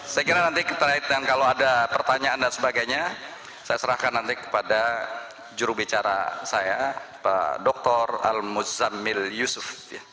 saya kira nanti kalau ada pertanyaan dan sebagainya saya serahkan nanti kepada jurubicara saya pak dr al muzamil yusuf